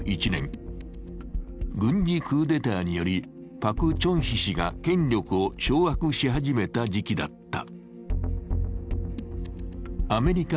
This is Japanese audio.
軍事クーデターによりパク・チョンヒ氏が権力を掌握し始めた時期だった。